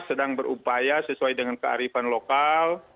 sedang berupaya sesuai dengan kearifan lokal